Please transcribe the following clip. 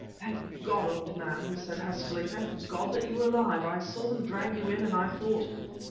"Thank God, old man!" he said, huskily. "Thank God that you are alive! I saw them drag you in, and I thought..."